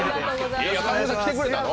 山田さん来てくれたの？